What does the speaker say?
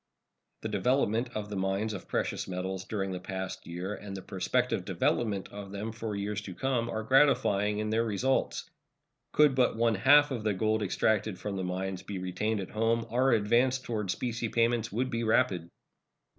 The development of the mines of precious metals during the past year and the prospective development of them for years to come are gratifying in their results. Could but one half of the gold extracted from the mines be retained at home, our advance toward specie payments would be rapid.